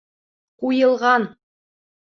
Ҡуйылған.